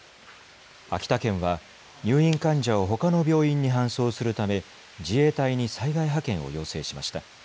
秋田県は入院患者をほかの病院に搬送するため自衛隊に災害派遣を要請しました。